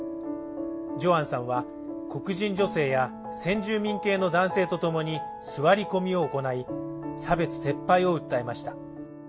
ジョアンさんは、黒人女性や先住民系の男性とともに座り込みを行い、差別撤廃を訴えました。